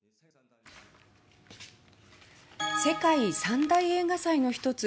世界３大映画祭の一つ